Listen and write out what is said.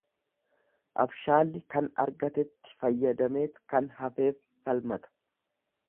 Abshaalli kan argatetti fayyadameet kan hafeef falmata.